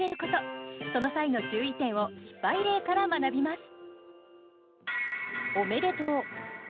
その際の注意点を失敗例から学びます。